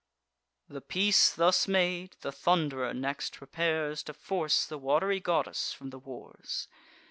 The peace thus made, the Thund'rer next prepares To force the wat'ry goddess from the wars.